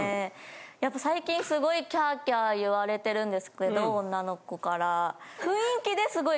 やっぱ最近すごいキャーキャー言われてるんですけど女の子から。